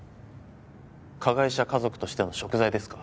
加害者家族としての贖罪ですか？